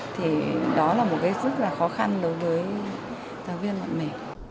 thì đó là một cái rất là khó khăn đối với giáo viên bạn bè